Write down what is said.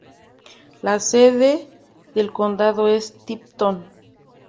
La sede del condado es Tipton.